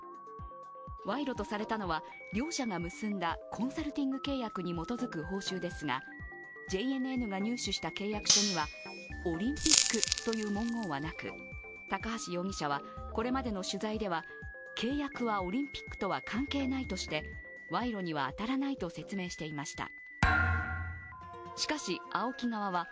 賄賂とされたのは、両者が結んだコンサルティング契約に基づく報酬ですが、ＪＮＮが入手した契約書には、オリンピックという文言はなく高橋容疑者はこれまでの取材では契約はオリンピックとは関係ないとして、賄賂には当たらないと説明していました。